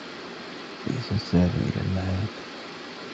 بِئْسَ الزَّادُ إلَى الْمَعَادِ